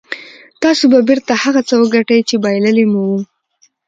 تاسې به بېرته هغه څه وګټئ چې بايللي مو وو.